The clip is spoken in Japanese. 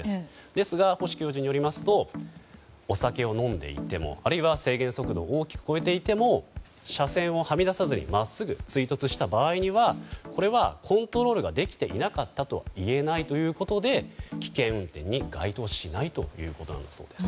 ですが、星教授によりますとお酒を飲んでいてもあるいは制限速度を大きく超えていても車線をはみ出さずに真っすぐ追突した場合にはこれはコントロールができていなかったといえないということで危険運転に該当しないということだそうです。